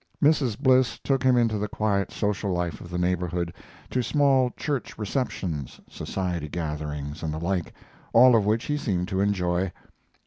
Mrs. Bliss took him into the quiet social life of the neighborhood to small church receptions, society gatherings and the like all of which he seemed to enjoy.